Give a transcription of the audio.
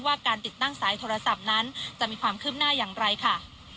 ว่าการติดตั้งสายโทรศัพท์นั้นจะมีความคืบหน้าอย่างไรค่ะ